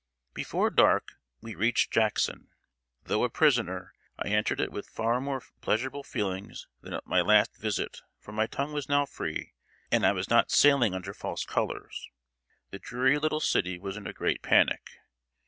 ] Before dark, we reached Jackson. Though a prisoner, I entered it with far more pleasurable feelings than at my last visit; for my tongue was now free, and I was not sailing under false colors. The dreary little city was in a great panic.